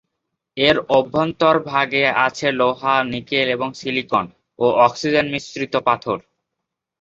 এর অভ্যন্তরভাগে আছে লোহা, নিকেল এবং সিলিকন ও অক্সিজেন মিশ্রিত পাথর।